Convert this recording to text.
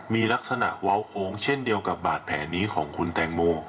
มีลักษณะเว้าโค้งเช่นเดียวกับบาดแผลนี้ของคุณแตงโม